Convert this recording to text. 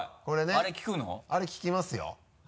あれ効きますよ。